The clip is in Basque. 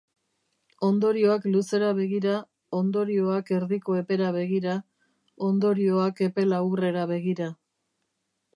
Ondorioak luzera begira, ondorioak erdiko epera begira, ondorioak epe laburrera begira.